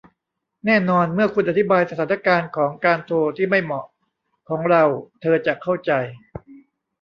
แน่นอนเมื่อคุณอธิบายสถานการณ์ของการโทรที่ไม่เหมาะของเราเธอจะเข้าใจ